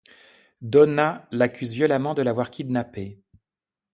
Donna l'accuse violemment de l'avoir kidnappée.